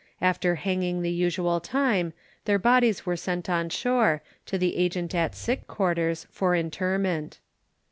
After hanging the usual time, their bodies were sent on shore, to the agent at sick quarters, for interment.